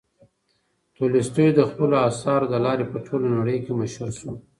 تولستوی د خپلو اثارو له لارې په ټوله نړۍ کې مشهور شو.